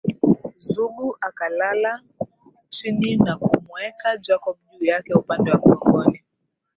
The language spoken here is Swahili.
Zugu akalala chini na kumuweka Jacob juu yake upande wa mgongoni